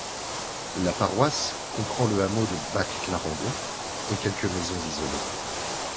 La paroisse comprend le hameau de Back Clarendon et quelques maisons isolées.